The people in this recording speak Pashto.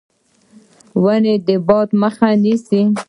ونې د باد مخه نیسي.